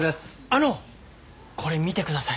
あのこれ見てください。